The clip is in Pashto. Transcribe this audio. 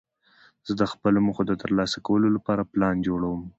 زه د خپلو موخو د ترلاسه کولو له پاره پلان جوړوم.